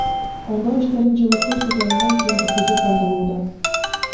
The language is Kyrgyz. Оңдоо иштерин жылытуу сезонунан кийин жүргүзүү пландалууда.